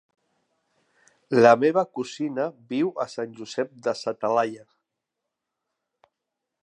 La meva cosina viu a Sant Josep de sa Talaia.